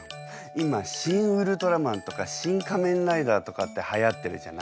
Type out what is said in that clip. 今「シン・ウルトラマン」とか「シン・仮面ライダー」とかってはやってるじゃない？